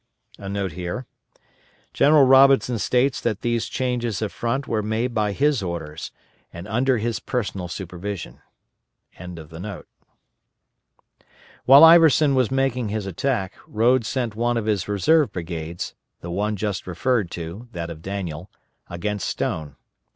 [* General Robinson states that these changes of front were made by his orders and under his personal supervision.] While Iverson was making his attack, Rodes sent one of his reserve brigades the one just referred to, that of Daniel against Stone.